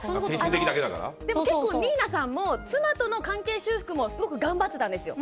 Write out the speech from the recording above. でも結構新名さんも妻との関係修復もすごく頑張ってたんですよ。